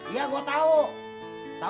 iya gue tau